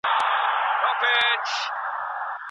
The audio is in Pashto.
ایا حضوري زده کړه د آنلاین زده کړي په پرتله ښه پایلي لري؟